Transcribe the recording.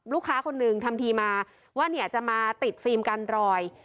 ลูกค้าคนหนึ่งทำทีมาว่าเนี่ยจะมาติดฟิล์มกันรอย